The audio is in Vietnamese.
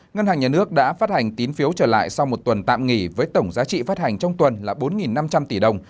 ngân hàng nhà nước đã phát hành tín phiếu trở lại sau một tuần tạm nghỉ với tổng giá trị phát hành trong tuần là bốn năm trăm linh tỷ đồng